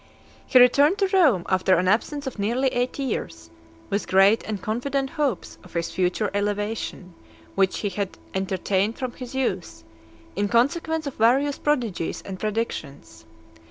XIV. He returned to Rome after an absence of nearly eight years , with great and confident hopes of his future elevation, which he had entertained from his youth, in consequence of various prodigies and predictions.